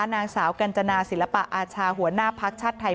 นางสาวกัญจนาศิลปะอาชาหัวหน้าภักดิ์ชาติไทย